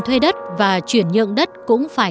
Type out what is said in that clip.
thuê đất và chuyển nhượng đất cũng phải